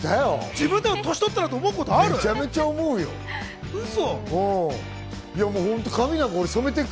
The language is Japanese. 自分でも年取ったって思うことある？